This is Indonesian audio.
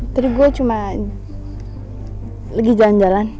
tadi gue cuma lagi jalan jalan